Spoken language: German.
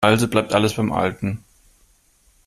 Also bleibt alles beim Alten.